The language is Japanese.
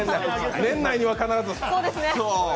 年内には必ず。